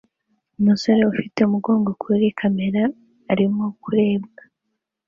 Umusore ufite umugongo kuri kamera arimo kurebwa